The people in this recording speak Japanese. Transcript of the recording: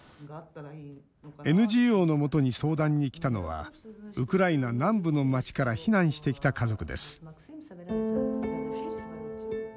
ＮＧＯの元に相談に来たのはウクライナ南部の町から避難してきた家族です。